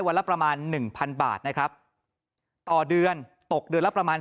ละประมาณหนึ่งพันบาทนะครับต่อเดือนตกเดือนละประมาณ